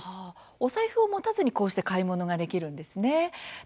お財布を持たずにこうしてお買い物ができるんですね。